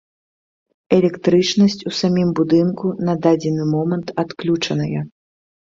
Электрычнасць у самім будынку на дадзены момант адключаная.